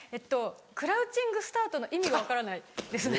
クラウチングスタートの意味が分からないですね。